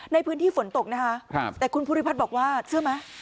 ในพื้นที่ฝนตกนะคะแต่คุณภูริพัฒน์บอกว่าเชื่อไหม